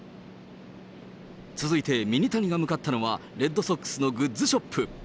続いてミニタニが向かったのは、レッドソックスのグッズショ